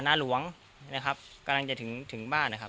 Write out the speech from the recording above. นาหลวงนะครับกำลังจะถึงถึงบ้านนะครับ